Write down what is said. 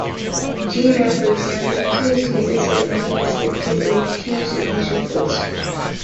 Gmail, for example, continues to get listed and delisted because they refuse abuse reports.